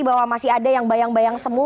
bahwa masih ada yang bayang bayang semua